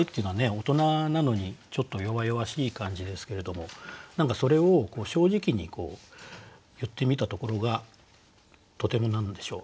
大人なのにちょっと弱々しい感じですけれども何かそれを正直に言ってみたところがとても何でしょう